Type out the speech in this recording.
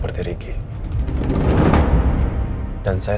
kembali ke rumah saya